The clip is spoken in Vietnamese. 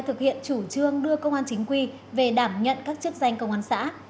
thực hiện chủ trương đưa công an chính quy về đảm nhận các chức danh công an xã